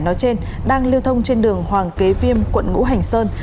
nói trên đang lưu thông trên đường hoàng kế viêm quận ngũ hành sơn